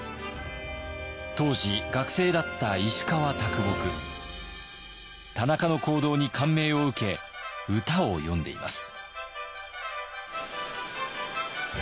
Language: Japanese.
当時学生だった田中の行動に感銘を受け歌を詠んでいます。